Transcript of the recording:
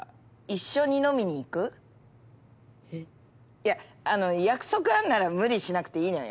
いや約束あんなら無理しなくていいのよ？